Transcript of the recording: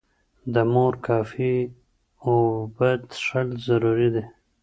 د مور کافي اوبه څښل ضروري دي.